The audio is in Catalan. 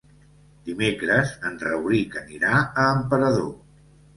Dimecres en Rauric anirà a Emperador.